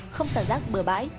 không xả rác bờ bãi